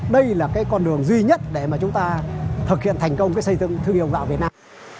đây là con đường duy nhất để chúng ta thực hiện thành công xây dựng thương hiệu gạo việt nam